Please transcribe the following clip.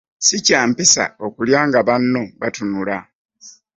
Si kya mpisa kulya nga banno batunula.